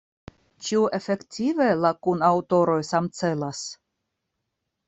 Ĉu efektive la kunaŭtoroj samcelas?